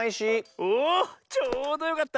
おちょうどよかった。